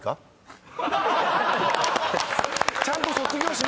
ちゃんと卒業しましたよ！